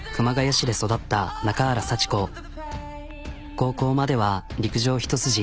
高校までは陸上一筋。